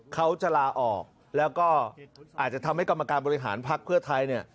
เขาจะลาออกแล้วก็อาจจะทำให้กรรมการบริหารพักเพื่อไทยเนี่ย